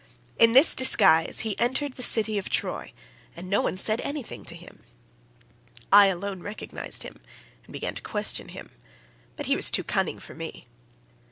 In this disguise he entered the city of Troy, and no one said anything to him. I alone recognised him and began to question him, but he was too cunning for me.